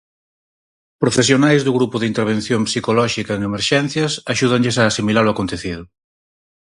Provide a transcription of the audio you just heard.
Profesionais do grupo de intervención psicolóxica en emerxencias axúdanlles a asimilar o acontecido.